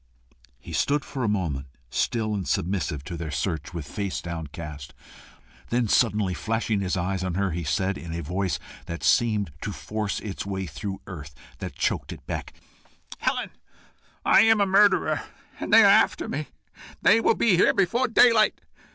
He stood for a moment still and submissive to their search, with face downcast. Then, suddenly flashing his eyes on her, he said, in a voice that seemed to force its way through earth that choked it back, "Helen, I am a murderer, and they are after me. They will be here before daylight."